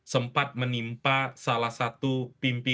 sempat menimpa salah satu pimpinan pt clm